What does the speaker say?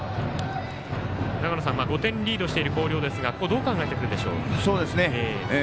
５点リードしている広陵ですがどう考えてくるでしょうか。